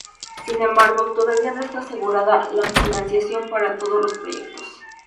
Sin embargo, todavía no está asegurada la financiación para todos los proyectos.